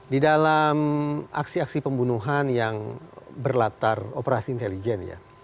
di dalam aksi aksi pembunuhan yang berlatar operasi intelijen ya